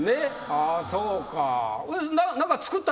ああそうか。